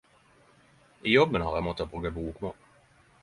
I jobben har eg måtta bruke bokmål.